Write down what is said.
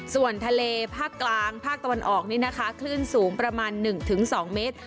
ส่วนทะเลภาคกลางภาคตะวันออกนี่นะคะคลื่นสูงประมาณ๑๒เมตร